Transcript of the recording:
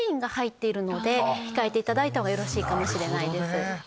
控えていただいた方がよろしいかもしれないです。